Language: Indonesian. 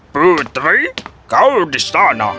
putri kau di sana